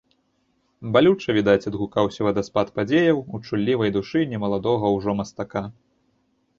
Балюча, відаць, адгукаўся вадаспад падзеяў у чуллівай душы не маладога ўжо мастака.